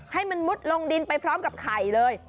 ให้มันมุดลงดินไปพร้อมกับไข่เลย